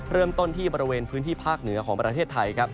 เริ่มต้นที่บริเวณพื้นที่ภาคเหนือของประเทศไทยครับ